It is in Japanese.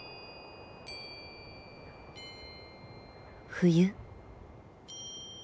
冬。